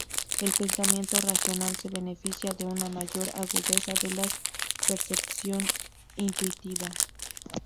El pensamiento racional se beneficia de una mayor agudeza de la percepción intuitiva.